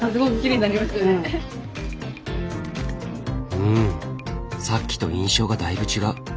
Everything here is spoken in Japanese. うんさっきと印象がだいぶ違う。